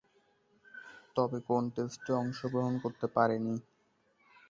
তবে, কোন টেস্টে অংশগ্রহণ করতে পারেননি।